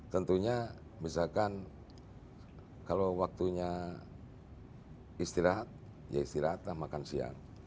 tentunya misalkan kalau waktunya istirahat ya istirahatlah makan siang